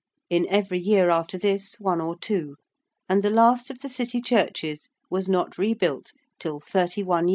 In every year after this one or two: and the last of the City churches was not rebuilt till thirty one years after the fire.